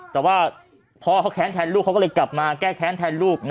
แต่ว่าพ่อเขาแค้นแทนลูกเขาก็เลยกลับมาแก้แค้นแทนลูก